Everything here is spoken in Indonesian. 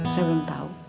saya belum tau